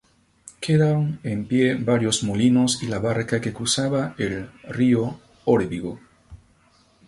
Quedan en pie varios molinos y la barca que cruzaba el río Órbigo.